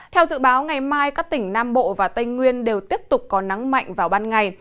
theo dự báo ngày mai các tỉnh nam bộ và tây nguyên đều tiếp tục có nắng mạnh vào ban ngày